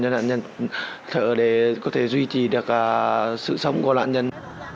cho nạn nhân sợ để có thể duy trì được sự sống của nạn nhân